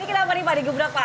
ini kenapa nih pak digebrak pak